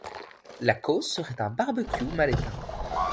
La cause serait un barbecue mal éteint.